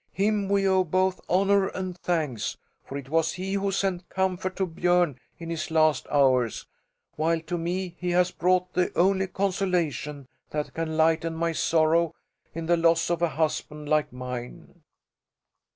Him we owe both honour and thanks, for it was he who sent comfort to Björn in his last hours, while to me he has brought the only consolation that can lighten my sorrow in the loss of a husband like mine."